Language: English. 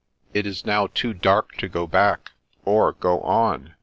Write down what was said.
It is now too dark to go back, or go on.